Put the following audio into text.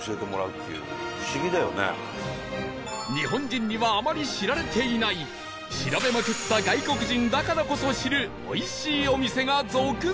日本人にはあまり知られていない調べまくった外国人だからこそ知るおいしいお店が続々！